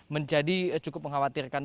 menjadi cukup mengkhawatirkan